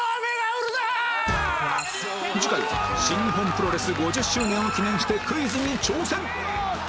次回は新日本プロレス５０周年を記念してクイズに挑戦！